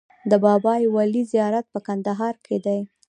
د بابای ولي زیارت په کندهار کې دی